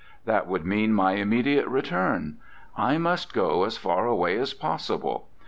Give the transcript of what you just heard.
That would mean my immediate return. I must go as far away as pos sible.